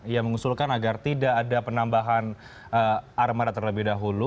ia mengusulkan agar tidak ada penambahan armada terlebih dahulu